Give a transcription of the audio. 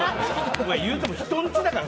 言うても人の家だから。